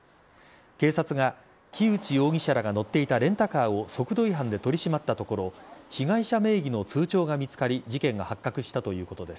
警察が木内容疑者らが乗っていたレンタカーを速度違反で取り締まったところ被害者名義の通帳が見つかり事件が発覚したということです。